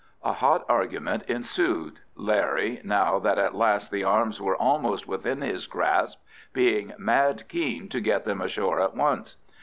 A hot argument ensued—Larry, now that at last the arms were almost within his grasp, being mad keen to get them ashore at once.